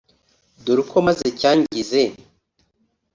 Dore uko maze cyangize